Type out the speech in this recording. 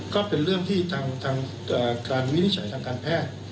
ก็เป็นเรื่องที่ทางการวินิจฉัยทางการแพทย์